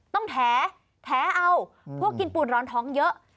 ต้องแท้แท้เอาพวกกินปูนร้อนท้องเยอะ